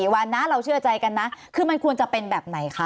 วันนะเราเชื่อใจกันนะคือมันควรจะเป็นแบบไหนคะ